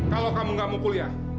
kalau kamu gak mau kuliah